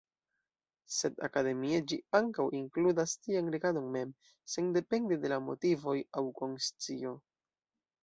Sed akademie, ĝi ankaŭ inkludas tian regadon mem, sendepende de la motivoj aŭ konscio.